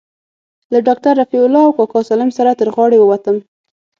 له ډاکتر رفيع الله او کاکا سالم سره تر غاړې ووتم.